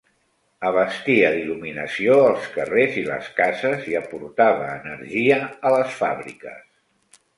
Abastia d'il·luminació els carrers i les cases i aportava energia a les fàbriques.